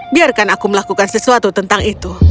biarkan aku melakukan sesuatu tentang itu